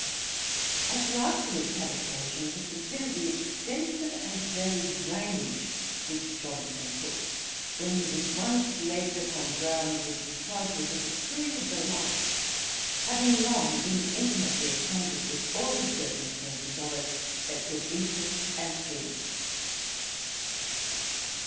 I shall afterwards have occasion to consider the extensive and varied range which Johnson took, when he was once led upon ground which he trod with a peculiar delight, having long been intimately acquainted with all the circumstances of it that could interest and please.